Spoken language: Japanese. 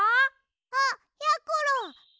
あっやころ！